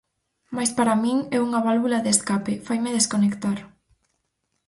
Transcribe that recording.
Mais para min é unha válvula de escape, faime desconectar.